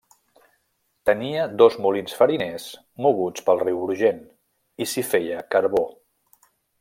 Tenia dos molins fariners moguts pel riu Brugent i s'hi feia carbó.